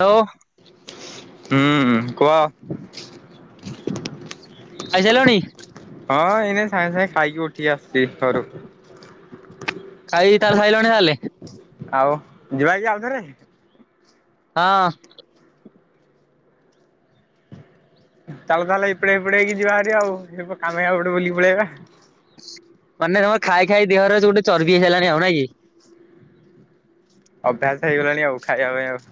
Hello ହୁଁ କୁହ। ଖାଇ ସାଇଲଣି? ହଁ ଏଇନେ ସାଙ୍ଗେ ସାଙ୍ଗେ ଖାଇକି ଉଠିକି ଆସଛି ଘରୁ। ଖାଇ ତାହାଲେ ଖାଇଲଣି ତାହଲେ। ଆଉ ଯିବା କି ଆଉଥରେ। ହଁ। ଚାଲ ତାହେଲେ ଏଇଡେଆ ଏପଡେ ହେଇକ ଯିବା ଆରି ଆଉ କାମେଇ ଗଟେ ବୁଲିକି ପଳେଇବା। ମାନେ ତମର ଖାଇ ଖାଇ ଦେହରେ ଗୋଟେ ଚର୍ବି ହେଇ ସାରିଲାଣି ଆଉ ନାଇଁ କି। ଅଭ୍ୟାସ ହେଇଗଲାଣି ଆଉ ଖାଇବା ପାଇଁ ଆଉ।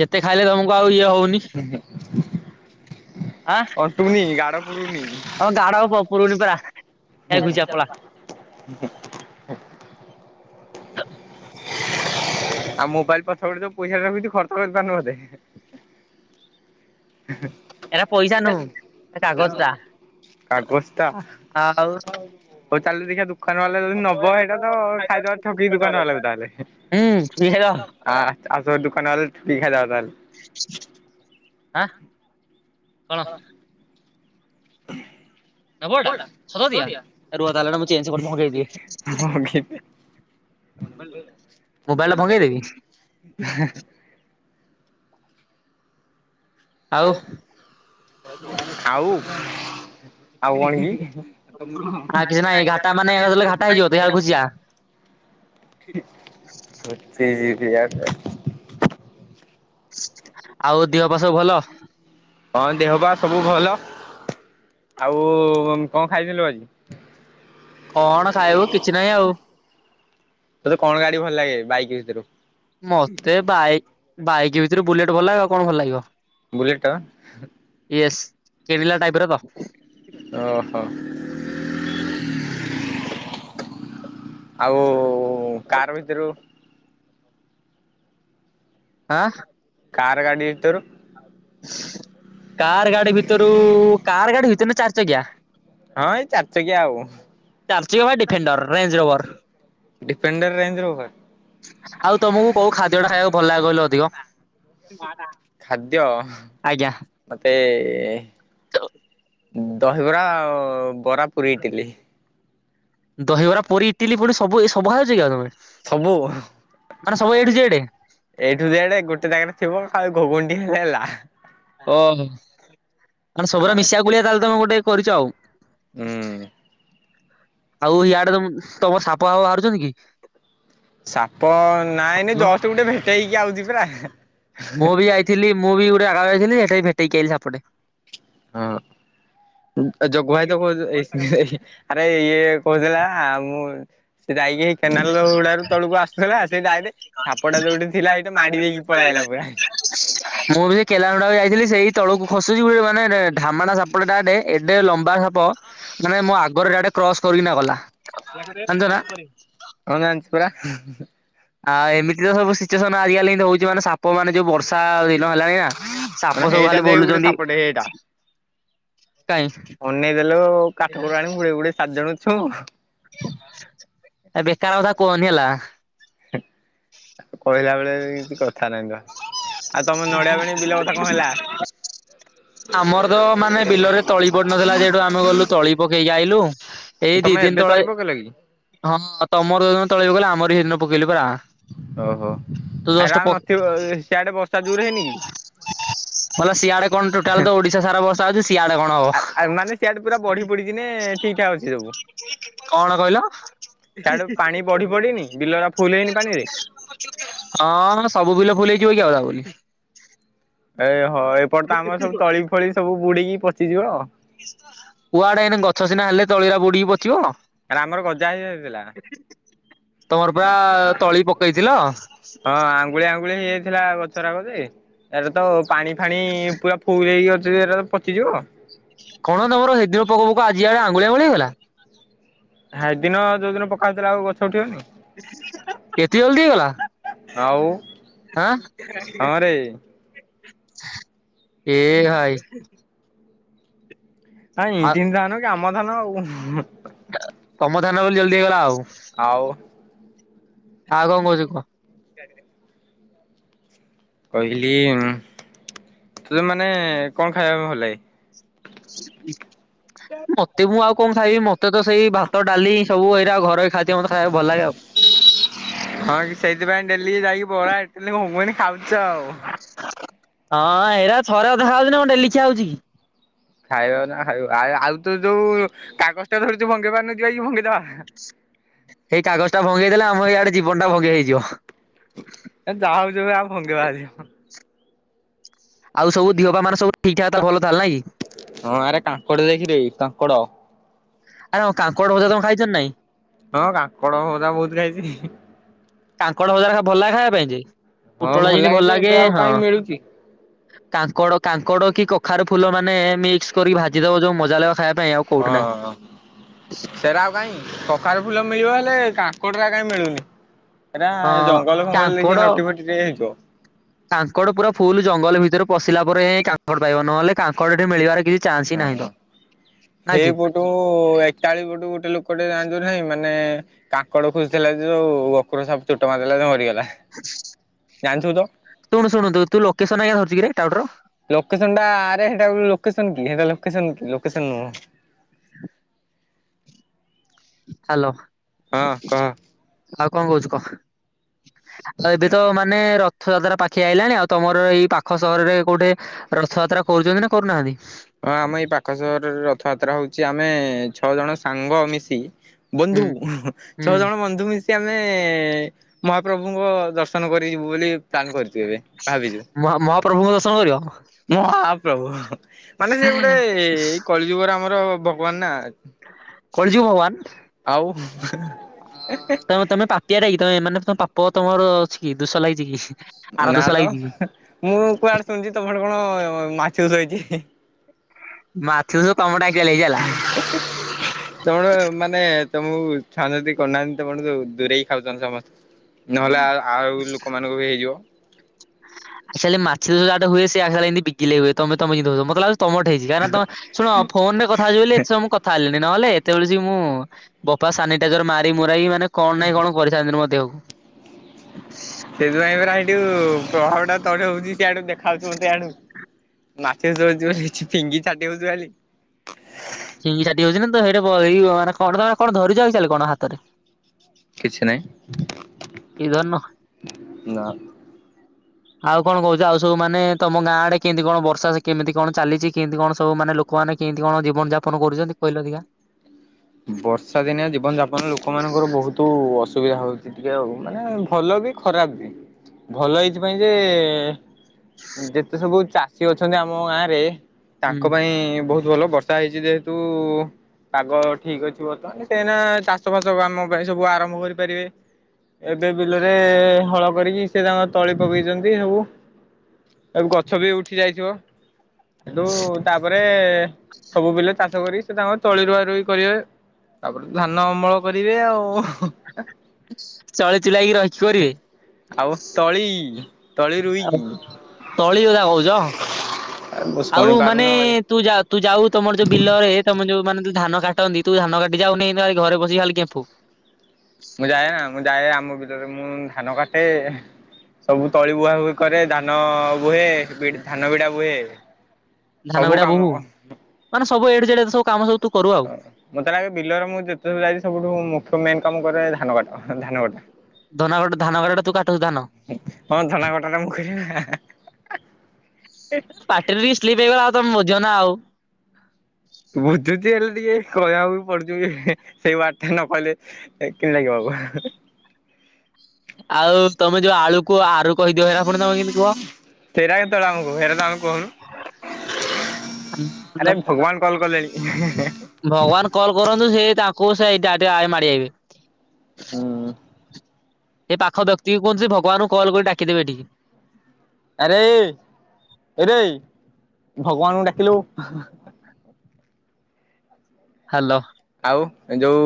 ଯେତେ ଖାଇଲେ ତମକୁ ଆଉ ଇଏ ହଉନି। ଅଣ୍ଟୁନି ଗାଢ ପୁରୁନି। ହମ ଗାଡ ପୁରୁଣି ପୁରା। ହଁ ହ। ଆଉ ମୋବାଇଲ ପଛ ପଟେ ଯୋଉ ପଇସା ଟା ବିି ଟିକେ ଖର୍ଚ୍ଚ କରି ପାରୁନୁ ବୋଧେ। ଏଇଟା ପଇସା ନୁ କାଗଜ ଟା। କାଗଜ ଟା। ଆଉ ହଉ ଚାଲ ଦେଖିବା ଦୋକାନ ବାଲା ଯଦି ହୁଁ ନବ ସେଇଟା ତ ଖାଇଦବାର ଠକି ଦୋକାନ ବାଲା କ ତାହେଲେ କିଏର ଆ ଆସ ଦୁକାନରେ ବିଖାଇ ଦଅ ତାହେଲେ। ହାଁ। କଣ ନବ ଏଟା ସତକଥା ରୁହ ତାହେଲେ ମୁଁ ଚେଞ୍ଜ କରି ଭଙ୍ଗେଇ [inaudible] ଦିଏ [inaudible] ମୋବାଇଲ ଟା ଭଙ୍ଗେଇ ଦେବି [inaudible] ଆଉ [unintelligible] ଆଉ ଆଉ କଣ କି? ଆଉ କିଛି ନାଇଁ ଘାଟା ମାନେ ଘାଟା ହେଇଯିବ ଦେହ ଘୁଚିଆ [unintelligible] ବଚି ଯିବି [unintelligible] ଆଉ ଦିହ ପାଆ ସବୁ ଭଲ? ହଁ ଦିହ ପାଆ ସବୁ ଭଲ। ଆଉ କଣ ଖାଇଥିଲୁ ଆଜି? କଣ ଖାଇବୁ କିଛି ନାହିଁ ଆଉ। ତତେ କଣ ଗାଡି ଭଲ ଲାଗେ ବାଇକି ଭିତୁରୁ? ମତେ ବାଇ ବାଇକ୍ ଭିତୁରୁ ବୁଲେଟ୍ ଭଲ ଲାଗିବ ଆଉ କଣ ଭଲ ଲାଗିବ। ବୁଲେଟ ୟେସ୍ [unintelligible] ଟାଇପ ର ତ। ଅହ। ଆଉ କାର ଭିତୁରୁ? ଆଁ କାର୍ ଗାଡି ଭିତୁରୁ? କାର ଗାଡି ଭିତୁରୁ କାର ଗାଡି ଭିତୁରୁ ନା ଚାରି ଚକିଆ? ହଁ ଏଇ ଚାରି ଚକିଆ ଆଉ। ଚାରି ଚକିଆ ବା Defender Range Rover. Defender Range Rover. ଆଉ ତମକୁ କୋଉ ଖାଦ୍ୟଟା ଖାଇବାକୁ ଭଲ ଲାଗେ କହିଲ ଅଧିକ? ଖାଦ୍ୟ ଆଜ୍ଞା। ମତେ ଦହିବରା ଆଉ ବରା, ପୁରି, ଇଟିଲି। ଦହିବରା ପୁରି ଇଟିଲି ପୁଣି ସବୁ ସଭା ଅଛି କି ଆଉ ତମେ? ସବୁ ମାନେ ସବୁ ଏଇଠୁ [unintelligible] ଜେଡ୍ ଏଠୁ ଯେଡେ ଗୋଟେ ଜାଗାରେ ଥିବ ଖାଲି ଘୁଗୁନି ଟିକେ ହେଲେ ହେଲା। ଓହୋ ମାନେ ସବୁୁରା ମିଶାଗୋଳିଆ ତାହେଲେ ତମେ ଗୋଟେ କରିଛ ଆଉ। ହୁଁ ଆଉ ଇଆଡେ ତ ସାପ ନାଇଁ ନାଇଁ ଜଷ୍ଟ୍ ଗୋଟେ ଭେ ଟେଇକି ଆଉଚି ପୁରା ମୁଁ ବି ଯାଇଥିଲି ମୁଁ ବି ଗୋଟେ ଜାଗାକୁ ଯାଇଥିଲି ହେଟେଇ ଭେଟେଇକି ଆଇଲିି ସେପଟେ। ହଁ ଜଗୁ ଭାଇ ଦବ [unintelligible] ଆରେ ଇଏ କହୁଥିଲା ମୁଁ ସେ ଯାଇକି ହେଇ କେନାଲ ହୁଡାରୁ ତଳକୁ ଆସୁଥୁଲା ସେ ଡାଇରେଟେ ସାପଟା ଯୋଉଠି ଥିଲା ହେଇଠି ମାଡି ଦେଇକି ପଳେଆଇଲା ପୁରା। [inaudible] ମୁଁ ବି ସେଇ କେନାଲ ହୁଡାକୁ ଯାଇଥିଲି ସେଇ ତଳକୁ ଖସୁଛି ଗୋଟେ ମାନେ ଢାମାଣା ସାପଟା ଗୋଟେ ଏଡେ ଲମ୍ବା ସାପ ମାନେ ମୋ ଆଗରେ ଡାଇରେଟେ କ୍ରସ୍ କରିକିନା ଗଲା, ଜାଣିଛ ନା? ହଁ ଜାଣିଛି ପୁରା ଆ ଏମିତି ତ ସବୁ ସିଚୁଏସନ୍ ଆଜିକାଲି ଏମିତି ହଉଛି ମାନେ ସାପ ମାନେ ଯୋଉ ବର୍ଷା ଦିନ ହେଲାଣି ନା। ମାନେ ସାପ ସବୁ ହେଇଟା ଖାଲି ଦେଇ ଗୋଟେ ବୁଲୁଚନ୍ତି, ସାପଟେ ହେଇଟା କାଇଁ? ଅନେଇ ଦେଲୁ କାଠକର ଆଣି ଗୁଡ଼େଇ ଗୁଡ଼େଇ ସାରିଦେଇ ଛୁଁ। ଆଁ ବେକାର କଥା କୁହନି ହେଲା। କହିଲା ବେଳେ କିଛି କଥା ନାହିଁବା। ଆଉ ତମ ନଡ଼ିଆବାଣୀ ବିଲ କଥା କଁ ହେଲା? ଆମରତ ମାନେ ବିଲରେ ତଳି ପଡ଼ିନଥିଲା ଯେଠୁ ଆମେ ଗଲୁ ତଳି ପକେଇକି ଆଇଲୁ। ଏଇ ତମେ ଦିଦିନ୍ ଏବେ ତଳେ ତଳି ପକେଇଲ କି? ହଁ ତମର ଯୋଉ ଦିନ ତଳି ପକେଇଲ ଆମର ହେଇଦିନ ପକେଇଲୁ ପରା। ଓହୋ, ହେରା ଆଉ ନଥିବ ସେଆଡ଼େ ବ ବଲା ସିଆଡ଼େ କଣ ଟୋଟାଲତ ଓଡ଼ିଶା ସାରା ବର୍ଷ ଆଁ ଆଁ ମାନେ ସେଆଡ଼େ ପୁରା ବଢି ପଡ଼ିପଡ଼ିକିନେ ଠିକ୍ ଠାକ୍ ଅଛି ସବୁ? କଣ କହିଲ? ସିଆଡ଼ୁ ପାଣି ବଢି ପଡ଼ିନି ବିଲଅରା ଫୁଲ୍ ହେଇନି ପାଣିରେ। ହଁ ସବୁ ବିଲ ଫୁଲ୍ ହେଇଯିବକି ଆଉ ତାବୋଲି। ଏଇ ହଁ ଏପଟେତ ଆମର ସବୁ ତଳି ଫଳି ସବୁ ବୁଡ଼ିକି ପଚିଯିବ ଆଉ। କୁଆଡ଼େ ଏଇନେ ଗଛ ସିନା ହେଲେ ତଳିରା ବୁଡ଼ୁକି ପଚିବ। ଆରେ ଆମର ଗଜା ହେଇଯାଇଥିଲା ତମର ପରା ତଳି ପକେଇଥିଲ? ହଁ ଆଙ୍ଗୁଳିଏ ଆଙ୍ଗୁଳିଏ ହେଇଯାଇଥିଲା ଗଛରାକଯେ ଏରାତ ପାଣି ଖାଣି ପୁରା ଫୁଲ୍ ହେଇକି ଅଛି ଏରାତ ପଚିଯିବ କଣ ତମର ହେଦିନ ପକଉ ପକଉ ଆଜି ଆଡ଼େ ଆଙ୍ଗୁଳି ଆଙ୍ଗୁଳି ହେଇଗଲା? ହେଦିନ ଯୋଉଦିନ ପକା ହଉଥିଲା ଆଉ ଗଛ ଉଠିବନି। କେତେ ଜଲ୍ଦି ହେଇଗଲା। ଆଉ? ଆଁ ହଁରେ ଏ ଭାଇ। ନାଇଁ ଆଉ ଦିନ୍ ଯାଉନକି ଆମ ଧାନ ଆଉ। ତମ ଧ୍ୟାନ ବୋଲି ଜଲ୍ଦି ହେଇଗଲା ଆଉ। ଆଉ। ଆଉ କଁ କହୁଚୁ କୁହ? କହିଲି ତତେ ମାନେ କଁ ଖାଇବା ଭଲ ଲାଗେ? ମତେ ମୁଁ ଆଉ କଁ ଖାଇବି ମ ମତେତ ସେଇ ଭାତ ଡ଼ାଲି ସବୁ ଏଇରା ଘରୋଇ ଖାଦ୍ୟ ମତେ ଖାଇବା ଭଲ ଲାଗେ ଆଉ। ହଁ କି ସେଇଥିପାଇଁ ଡେଲି ଯାଇକି ବରା ଇଟିଲି ଘୁଗୁନି ଖାଉଚ ଆଉ। ହଁ ହେରା ଥରେ ଅଧେ ଖାଉଚିନା କଁ ଡେଲି ଖାଉହଉଚିକି। ଖାଇବାନା ଖାଇବା ଆ ଆଉ ତୁଯୋଉ କାଗଜଟା ଧରିଛୁ ଭଙ୍ଗେଇ ପାରୁନୁ ଯିବାକି ଭଙ୍ଗେଇଦବା? ସେଇ କାଗଜଟା ଭଙ୍ଗେଇ ଦେଲେ ଆମ ଏଇଆଡ଼େ ଜିବନଟା ଭଙ୍ଗେଇ ହେଇଯିବ। ଏ ଯାହା ହଉଚି ହୋଉ ଆମେ ଭଙ୍ଗେଇବା ଆଜି। ଆଉ ସବୁି ଦିଅପା ମାନେ ସବୁ ଠିକ୍ ଠାକ୍ ତାହାଲେ ଭଲ ଥିଲା ନାଇଁକି? ହଁ ଆରେ କାଙ୍କଡ଼ ଦେଖିବ କାଙ୍କଡ଼। ଆରେଁ କାଙ୍କଡ଼ ଭଜା ତମ ଖାଇଚ ନାଇଁ? ହଁ କାଙ୍କଡ଼ ଭଯା ବହୁତ୍ ଖାଇଚି। କାଙ୍କଡ଼ ଭଜାରା ଭଲ ଲାଗେ ଖାଇବା ପାଇଁଯେ ହଁ ପୁଟଳାଟା ଯେମିତି ଭଲ ଯେ ଲାଗେ ଏବେ ଆଉ ହଁ। କାହିଁ ମିଳୁଛି। କାଙ୍କଡ଼ କାଙ୍କଡ଼କି କଖାର ଫୁଲ ମାନେ ମିକ୍ସ କରି ଭାଜିଦବ ଯୋଉ ମଜା ଲାଗିବ ଖାଇବା ପାଇଁ ଆଉ। ହଁ କୋଉଠି ନାହିଁ। ସେରା ଆଉ କାଇଁ। କଖାରୁ ଫୁଲ ମିଳିବ ହେଲେ କାଙ୍କଡ଼ଅରା କାଇଁ ମିଳୁନି। ହେରା ହଁ ଜଙ୍ଗଲ ଫଙ୍ଗଲ ଦେଖି ନଟି ଫଟିରେ ହେଇଥିବ। କାଙ୍କଡ଼ ପୁରା ଫୁଲ ଜଙ୍ଗଲ ଭିତରେ ପଶିଲା ପରେ କାଙ୍କଡ଼ ପାଇବ ନହେଲେ କାଙ୍କଡ଼ ଏଠି ମିଳିବାର କିଛି ଚାନ୍ସ ହିଁ ନାହିଁ ତ। ନା କି ହଁ [inaudible] ତୁ ଏକାଳି ପଟୁ ଗୋଟେ ଲୋକଟେ ଯାଆନ୍ତୁ ନାହିଁ ମାନେ କାଙ୍କଡ ଖୋଯୁଥିଲା ଯେ ଯୋଉ ଗୋଖର ସାପ ଚୋଟ ମାରିଲା ଯେ ମରିଗଲା। ଜାଣିଥିବୁ ତ। ଶୁଣୁ ଶୁଣନ୍ତୁ ତୁ ଲୋକେସନ ଆଜ୍ଞା ଧରିଚୁ କି ଟାଉଟର। ଲୋକେସନ ଟା ଆରେ ସେଟା ଲୋକସନ କି ଲୋକସନ ନୁହଁ। ହ୍ୟାଲୋ। ହଁ କହ। ଆଉ କଣ କହୁଛିୁ କହ ଆଉ ଏବେ ତ ମାନେ ରଥଯାତ୍ରା ପା ଖିଆଇଲାଣି ଆଉ ତମର ଏଇ ପାଖ ସହରରେ କୋଉଠି ରଥଯାତ୍ରା କରୁଛନ୍ତି ନା କରୁନାହାନ୍ତି? ହଁ ଆମ ଏଇ ପାଖ ସହରରେ ରଥଯାତ୍ରା ହଉଛି ଆମେ ଛଅ ଜଣ ସାଙ୍ଗ ମିଶି ହୁଁ ବନ୍ଧୁ ହୁଁ ଛଅ ଜଣ ବନ୍ଧୁ ମି ସେ ଆମେ ମହାପ୍ରଭୁଙ୍କ ଦର୍ଶନ କରି ଯିବୁ ବୋଲି ପ୍ଲାନ୍ କରିଛୁ ଏବେ ଭାବିଛୁ। ମହା ମହାପ୍ରଭୁଙ୍କୁ ଦର୍ଶନ କରିବ। ମହାପ୍ରଭୁ ମାନେ ସେ ଗୋଟେଇ କଳି ଯୁଗର ଆମର ଭଗବାନ ନା କଳିଯୁଗ ଭଗବାନ। ଆଉ ତମ ପା ଚୂତିଆଟାକି ତମେ ମାନେ ତମ ପାପ ତମର ଅଛି କି ଦୋଷ ଲାଗିଛି କି? ଆର ନା ଦୋଷ ତ ଲାଗିଛି କି ମୁଁ କୁଆଡେ ଶୁଣିଛି ତମର କଣ ମାଛଚାଷ ହେଇଛି। ମାଛଚାଷ ତମଟାକ ହେଇଲା। ତମର ମାନେ ତମକୁ ଚାହୁଁଛନ୍ତି କରୁନାହାନ୍ତି ତମର ଯ ଦୂରେଇ ହି ଖାଉଛନ୍ତି ସମସ୍ତେ। ନହେଲେ ଆ ଆଉ ଲୋକମାନାନଙ୍କର ବି ହେଇଯିବ। [inaudible] ତମଠି ହେଇଛି କାରଣ ତମେ ଶୁଣ ଫୋନରେ କଥା ହେଛିହଲେ ଏତ ସମୟ କଥା ହେଲିନି ନହଲେ ସେତେବେଳେ ମୁଁ ବାପା ସାନିଟାଇଜର ମାରି ମରାଇ ମାନେ କଣ ନାଇଁ କଣ କରି ସାରନ୍ତିନି ମୋ ଦେହକୁ। ସେଥିପାଇଁ ପୁରରା ଏଇଠୁ ପ୍ରଭାବ ଟା ତଡ ହଉଛି ସେଆଡୁ ଦେଖା ହାଉଛି ମତେଆଡୁ। ମାଛଉଛି ବୋଲି ଫିଙ୍ଗି ଛାଟି ହଉଛି ବୋଲି। ଫିଙ୍ଗିଛାଟି ହଉଛି ନା ତ ସେଇ ମାନେ କଣ ତମେ କଣ ଧରିଛ ଚାଲେ କଣ ହାତରେ? କିଛି ନାହିଁ। [inaudible] ଆଉ ନା। କଣ କହୁଛି ଆଉ ସବୁ ମାନେ ତମ ଗାଁ ଆଡେ କେମିତି କଣ ବର୍ଷା କେମିତି କଣ ଚାଲିଛି କେମିତି କଣ ସବୁ ମାନେ ଲୋ ଲୋକମାନେ କେମିତି କଣ ଜୀବନ ଯାପନ କରୁଛନ୍ତି କହିଲ ଦେଖିଆ? ବର୍ଷା ଦିନିଆ ଜୀବନ ଯାପନ ଲୋକମାନଙ୍କର ବହୁତ ତୁ ଅସୁବିଧା ହଉଛି ଟିକେ ଆଉ ମାନେ ଭଲ ବି ଖରାପ ବି ଭଲ ହେଇଥିପାଇ ଯେ ଯେତେ ସବୁ ଚାଷୀ ଅଛନ୍ତି ଆମ ଗାଁରେ ହୁଁ। ତାଙ୍କ ପାଇଁ ବହୁତ ଭଲ ବର୍ଷା ହେଇଛି ଯେହେତୁ ପାଗ ଠିକ ଅଛି ବର୍ତ୍ତମାନ ସେ ଚାଷ ବାସ କାମ ପାଇଁ ସବୁ ଆରମ୍ଭ କରିପାରିବେ ଏବେ ବିଲରେ ହଳ କରିକି ସେ ତାଙ୍କ ତଳି ପକେଇଛନ୍ତି ସବୁ ଏ ଗଛ ବି ଉଠି ଯାଇଥିବ। ସେଠୁ ତାପରେ ସବୁ ବିଲ ଚାଷ କରି ସେ ତାଙ୍କ ତଳିରୁୁଆ ର କରିବେ ତାପରେ ଧାନ ଅମଳ କରିବେ ଆଉ ଚଳେ ଚୁଲାଇକି ରଖକି କରିବେ। ଆଉ ତଳି ତଳି ଆଉ ରୁଇକି ତଳି କଥା କହୁଛ ମୁଁ ଶୁଣି ଆଉ ପାରୁନ ମାନେ ଆଉ। ତୁ ଯା ତୁ ଯାଉ ତମର ଯୋଉ ବିଲରେ ତମ ଯୋଉ ମାନେ ଯୋଉ ଧାନ କାଟନ୍ତି ତୁ ଧାନ କାଟି ଯାଉନି ନା ଏଇ ଘରେ ବସିିକି ଖାଲି ଗେମ୍ପୁ। ମୁଁ ଯାଏ ନା ମୁଁ ଯାଏ ଆମ ବିଲରେ ମୁଁ ଧାନ କାଟେ। ସବୁ ତଳି ବୁହାବୁହି କରେ ଧାନ ବୁହେ ଧାନ ବିିଡା ବୁହେ ଧାନ ସବୁ ବିଡା କାମ ବୋହୁ ମାନେ ସବୁ ଏ ଠୁ ଜେଡ୍ ଯେତେ ସବୁ କାମ ସବୁ ତୁ କରୁ। ଆଉ ମତେ ଲାଗେ ବିଲରେ ମୁଁ ଯେତେ ସବୁ ଯାଇଛି ସବୁଠୁ ମୁଖ୍ୟ ମେନ କାମ କରେ ଧାନ କାଟ ଧାନ କଟା। ଧନା କଟା ଧାନ କଟାଟା ତୁ କାଟଛୁ ଧାନ? ହଁ ଧାନ କଟା ଟା ମୁଁ କରେ ନା, ପାଟିରେ ବି ସ୍ଲିପ ହେଇଗଲା ଆଉ ତମେ ବୁଝିବ ନା ଆଉ। ବୁଝୁଛି ହେଲେ ଟିକେ କହିଆକୁ ବି ପଡୁଛି ହେ ସେଇ ୱାର୍ଡଟା ନ କହିଲେ ଏ କିନ୍ ଲାଗିବ ଅଭା ଆଉ ତମେ ଯୋଉ ଆଳୁ କୁହ ଆରୁ କହିଦିଅ ସେଇଟା ପୁଣି ତମେ କିନ୍ତି କୁହ? ସେଇଟା କେତେବେଳେ ଆମକୁ ସେଇଟା ତ ଆମେ କହୁନୁ ଆରେ ଭଗବାନ କଲ କଲେଣି। ଭଗବାନ କଲ୍ କରନ୍ତୁ ସେ ତାଙ୍କୁ ସେଇଟା ଟିକେ ଆଡେ ମାଡି ଆଇବେ। ହୁଁ ଏପାଖ ବ୍ୟକ୍ତିକୁ କୁହନ୍ତୁ ସେ ଭଗବାନଙ୍କୁ କଲ କରି ଡାକିଦେବେ ଏଠିକି। ଆରେ ଏରେ ଭଗବାନଙ୍କୁ ଡାକିଲୁ। ହ୍ୟାଲୋ। ଆଉ ଯୋଉ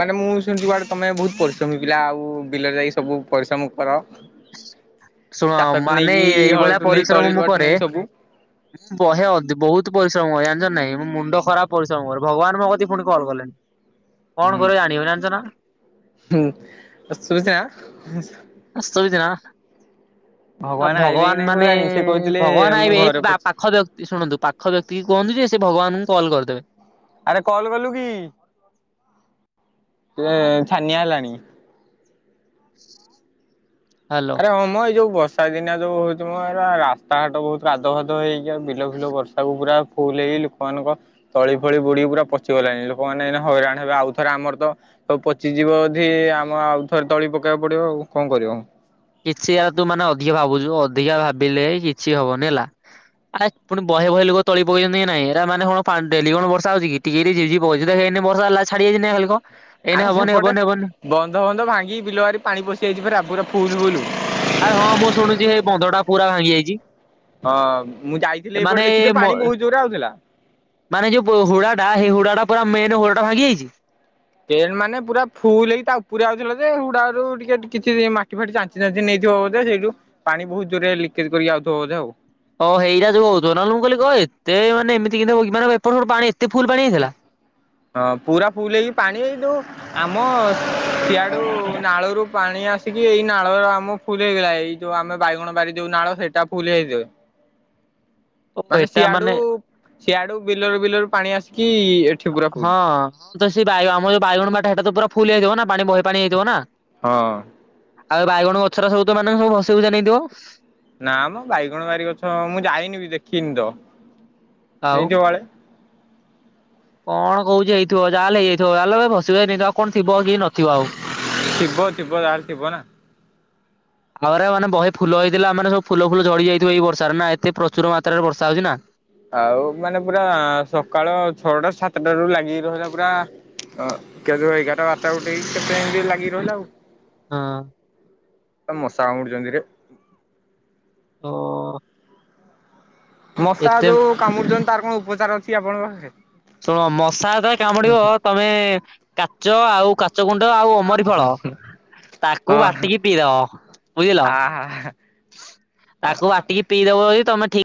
ମାନେ ମୁଁ ଶୁଣିଛି କୁଆଡେ ତମେ ବହୁତ ପରିଶ୍ରମୀ ପିଲା ଆଉ ବିଲରେ ଯାଇ ସବୁ ପରିଶ୍ରମ କର। ଶୁଣ ଚାଷଠୁ ମାନେ ନେଇକି ଏଇଭଳିଆ ହଳଠୁ ନେଇକି ତଳି ପରିଶ୍ରମ ମୁଁ ରୁଆଠୁ କରେ ନେଇକି ସବୁ ବହେ ଅଧି ବହୁତ୍ ପରିଶ୍ରମ କରେ ଜାଣିଚ ନା ନାଇଁ ମୋ ମୁଣ୍ଡ ଖରାପ ପରିଶ୍ରମ କରେ ଭଗବାନ ମୋ କତିକି ପୁଣି କଲ୍ କଲେଣି। କଣ କରିବ ଜାଣିହଉନି ଜାଣିଚ ନା ହୁଁ ଅସୁବିଧା ଅସୁବିଧା ଆଉ ଆଇବେ କି ଭଗବାନ ନାହିଁ ମାନେ କେଜାଣି ସେ କହୁଥିଲେ ଭଗବାନ ମୁଁ ଆଇବେ ଏ ଘରେ ପା ପଛ ପାଖ ଯ ଶୁଣନ୍ତୁ ପାଖ ଜାତିକୁ କୁହନ୍ତୁ ଯେ ସେ ଭଗବାନଙ୍କୁ କଲ୍ କରିଦେବେ। ଆରେ କଲ କଲୁ କି? ହାଲୋ। ଆରେ ହଁ ମ ଏଇ ଯୋଉ ବର୍ଷା ଦିନଆ ଯୋଉ ହଉଛି ମ ଆର ରାସ୍ତାଘାଟ ବହୁତ୍ କାଦୁଅ ଫାଦୁଆ ହେଇ ବିଲ ଫିଲ ବର୍ଷାକୁୁ ପୁରା ଫୁଲ୍ ହେଇ ଲୋକମାନଙ୍କ ତଳି ଫଳି ବୁଡିକି ପୁରା ପଚିଗଲାଣି ଲୋକମାନେ ଏଇନା ହଇରାଣ ହେବେ ଆଉଥରେ ଆମର ତ ସବୁ ପଚିଯିବ ଯଧି ଆମ ଆଉ ଥରେ ତଳି ପକେଇଆକୁ ପଡିବ ଆଉ କଣ କରିବ। କିଛି ଆଉ ତୁ ମାନେ ଅଧିକା ଭାବୁଚୁ ଅଧିକା ଭାବିଲେ କିଛି ହବନି ହେଲା। ଆରେ ପୁଣି ବହେ ବହେ ଲୋକ ତଳି ପକେଇଛନ୍ତି କି ନାଇଁ ହେରା ମାନେ କଣ ପା ଡେଲି କଣ ବର୍ଷା ହଉଛି କି? ଟିକେକିରି ଝିର୍ ଝିର୍ ପକଉଛି ସେତ ହେଇନେ ବର୍ଷା ହେଲା ଛଡାଯାଇଛି ନା ଖାଲି କହ? ଏଇନେ ଆରେ ହବନି ସେପଟେ ହବନି ହବନି ବନ୍ଧ ବନ୍ଧ ଭାଙ୍ଗିକି ବିଲବାରି ପାଣି ପଶି ଯାଇଛି ପରା ପୁରା ଫୁଲ ଫୁଲ। ଆରେ ହଁ ମୁଁ ଶୁଣୁଚି ହେଇ ବନ୍ଧଟା ପୁରା ଭାଙ୍ଗି ଯାଇଚି। ହଁ ମୁଁ ଯାଇଥିଲି ଏଇପଟେ ଦେଖିଛି ଯେ ମ ପାଣି ବହୁତ ଜୋରରେ ଆଉଥିଲା। ମାନେ ଯୋଉ ବୋ ହୁଡାଟା ହେଇ ହୁଡାଟା ପୁରା ମେନ୍ ହୁଡାଟା ଭାଙ୍ଗି ଯାଇଛି? କେନ୍ ମାନେ ପୁରା ଫୁଲ ହେଇକି ତା ଉପରେ ଆଉଥିଲା ଯେ ହୁଡ଼ାରୁ ଟିକେ କିଛି ମାଟି ଫାଟି ଚା ଚାଞ୍ଚି ଚାଞ୍ଚି ନେଇଥିବ ବୋଧେ ସେଇଠୁ ପାଣି ବହୁତ ଜୋରରେ ଲିକେଜ୍ କରି ଆାଉଥିବ ବୋଧେ ଆଉ। ଓ ହେଇରା ଯୋଉ ହଉଥିବ ନହେଲେ ମୁଁ କହିଲି କଣ ଏତେ ମାନେ ଏମିତି କେମିତି ହବ କି ମାନେ ଏପଟୁ ସେପଟୁ ପାଣି ଏତେ ଫୁଲ୍ ପାଣି ହେଇଥିଲା? ହଁ ପୁରା ଫୁଲ୍ ହେଇକି ପାଣି ଏଇଠୁ ଆମ ସିଆଡୁ ନାଳରୁ ପାଣି ଆସ୍ ଆସିକି ଏଇ ନାଳର ଆମ ଫୁଲ ହେଇଗଲା ଏଇ ଯୋଉ ଆମେ ବାଇଗଣ ବାରି ଯୋଉ ନାଳ ସେଇଟା ଫୁଲ ହେଇଯାଇ ଓ ମାନେ ଏଟା ସିଆଡୁ ସିଆଡୁ ବିଲରୁ ବିଲରୁ ପାଣି ଆସିକି ଇଏ ହଁଁ ତ ସେ ବାଇଗଣ ଆମର ଯୋଉ ବାଇଗଣ ବାରିଟା ହେଟା ତ ପୁରା ଫୁଲ ହେଇଥିବ ନା ପାଣି ବହେ ପାଣି ହେଇଥିବ ନା। ହଁ। ଆଉ ବାଇଗଣ ଗଛର ସବୁତ ମାନେ ସବୁ ଭସେଇଭୁଷା ନେଇଥିବ? ନା ମ ବାଇଗଣ ବାରି ଗଛ ମୁଁ ଯାଇନି ବି ଦେଖିନି ତ ଆଉ। ହେଇଥିବ କାଳେ। କଣ କହୁଛି ହେଇଥିବ ଯହା ହେଲେ ହେଇଯାଇଥିବ ତାହେଲେ ଭସାଇନେଇଥିବା ଆଉ କଣ ଥିବ କି ନଥିବ ଆଉ। ଥିବ ଥିବ ଯାହା ହେଲେ ଥିବ ନା। ଥରେ ମାନେ ବହେ ଫୁଲ ହେଇଥିଲା ମାନେ ସବୁ ଫୁଲ ଫୁଲଝଡି ଯାଇଥିବ ଏଇ ବର୍ଷାରେ ନା ଏତେ ପ୍ରଚୁର ମାତ୍ରାରେ ବର୍ଷା ହଉଛି ନା। ଆଉ ମାନେ ପୁରା ସକାଳ ଛଅଟା ସାତଟାରୁୁ ଲାଗିି ରହିଲା ପୁରା ଅ [unintelligible] ଭାଇ ବାରଟା ଗୋଟେ ହେଇକି କେତେ ଏମତି ଲାଗି ରହିଲା ହଁ ଆଉ ମଶା କାମୁଡୁଛନ୍ତିରେ। ଓ ମଶା ଏତେ ଯୋଉ କାମୁଡୁଚନ୍ତି ତାର କଣ ଉପଚାର ଅଛି ଆପଣଙ୍କ ପାଖରେ? ଶୁଣ ମଶା ଯେତେବେଳେ କାମୁଡିବ ତମେ କାଚ ଆଉ କାଚ ଗୁଣ୍ଡ ଆଉ ଅମରି ଫଳ ତାକୁ ହଁ ବାଟିକି ପିଇଦବ ବୁଝିଲ। ଆ ତାକୁ ବାଟିକି ପିଇଦବ ଯଦି ତମେ ଠିକ